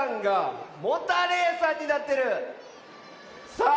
さあ